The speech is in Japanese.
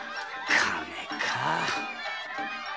金か。